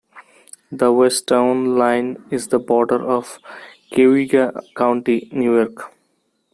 The west town line is the border of Cayuga County, New York.